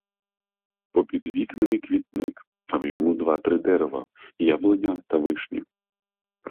Попід вікнами квітник, а в йому два-три дерева — яблуня та вишні.